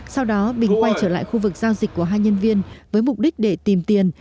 sau đó bình quay trở lại khu vực giao dịch của hai nhân viên với mục đích để tìm tiền